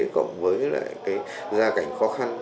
cộng với lại cái gia cảnh khó khăn